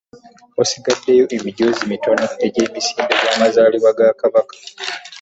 Wasigadewo emijoozi mitono egy'emisinde gy'amazalibwa ga kabaka.